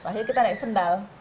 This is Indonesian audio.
akhirnya kita naik sendal